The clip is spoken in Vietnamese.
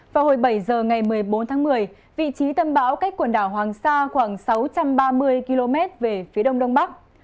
vào hồi bảy giờ ngày một mươi bốn tháng một mươi vị trí tâm bão cách quần đảo hoàng sa khoảng sáu trăm ba mươi km về phía đông đông bắc